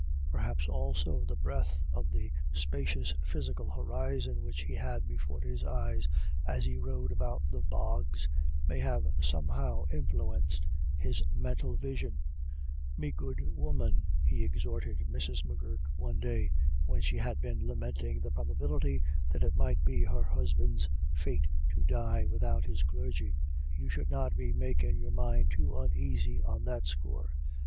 Perhaps, also, the breadth of the spacious physical horizon which he had before his eyes as he rode about the bogs, may have somehow influ enced his mental vision. " Me good woman," he exhorted Mrs. M'Gurk one day, when she had been lamenting the proba bility that it might be her husband's fate to die without his clergy, "you should not be making your mind too uneasy on that score.